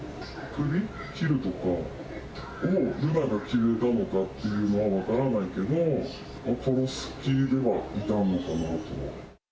首切るとかも、瑠奈が決めたのかっていうのは分からないけど、殺す気ではいたのかなと。